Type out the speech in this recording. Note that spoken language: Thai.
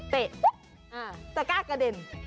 เตะตะก้ากระเด็น